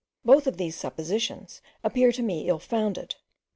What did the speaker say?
Both of these suppositions appear to me ill founded.